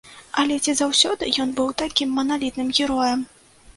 Але ці заўсёды ён быў такім маналітным героем?